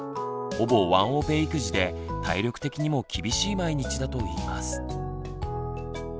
ほぼワンオペ育児で体力的にも厳しい毎日だといいます。